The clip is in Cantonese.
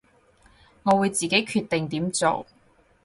我會自己決定點做